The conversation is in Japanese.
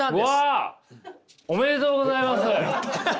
ありがとうございます。